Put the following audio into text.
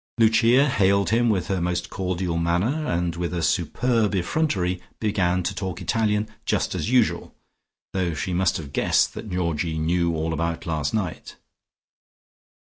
Lucia hailed him with her most cordial manner, and with a superb effrontery began to talk Italian just as usual, though she must have guessed that Georgie knew all about last night.